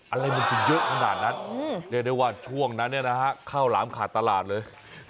อะไรมันจะเยอะขนาดนั้นเรียกได้ว่าช่วงนั้นเนี่ยนะฮะข้าวหลามขาดตลาดเลย